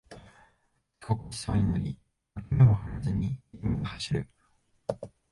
遅刻しそうになり脇目も振らずに駅まで走る